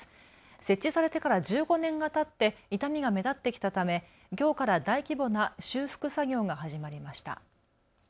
設置されてから１５年がたって傷みが目立ってきたためきょうから大規模な修復作業が始まりました。